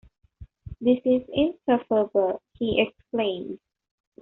‘This is insufferable!’ he exclaimed.